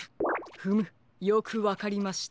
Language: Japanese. フムよくわかりました。